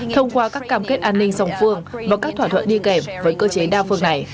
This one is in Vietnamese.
thông qua các cam kết an ninh song phương và các thỏa thuận đi kèm với cơ chế đa phương này